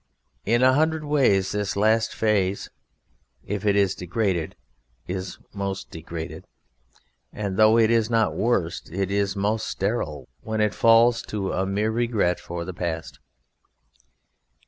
In a hundred ways this last phase if it is degraded is most degraded; and, though it is not worst, it is most sterile when it falls to a mere regret for the past.